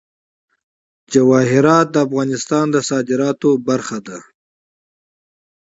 جواهرات د افغانستان د صادراتو برخه ده.